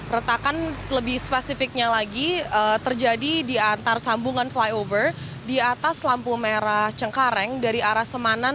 retakan lebih spesifiknya lagi terjadi di antar sambungan flyover di atas lampu merah cengkareng dari arah semanan